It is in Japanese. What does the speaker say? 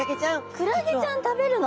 クラゲちゃん食べるの？